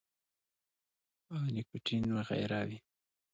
او نيکوټین وغېره وي -